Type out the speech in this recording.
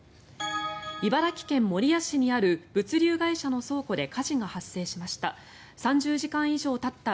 茨城県守谷市にある物流会社の倉庫で火事が発生しました。